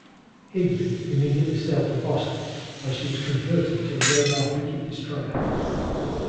"Higbee" immediately sailed to Boston, where she was converted to a radar picket destroyer.